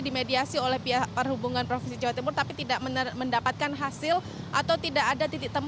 dimediasi oleh pihak perhubungan provinsi jawa timur tapi tidak mendapatkan hasil atau tidak ada titik temu